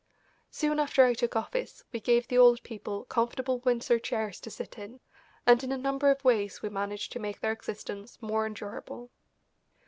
Soon after I took office we gave the old people comfortable Windsor chairs to sit in, and in a number of ways we managed to make their existence more endurable.